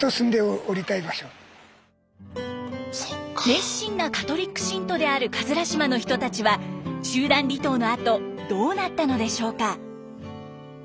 熱心なカトリック信徒である島の人たちは集団離島のあとどうなったのでしょうか？